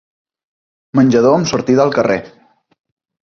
Menjador amb sortida al carrer.